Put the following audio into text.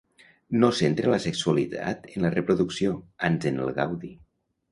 No centre la sexualitat en la reproducció, ans en el gaudi.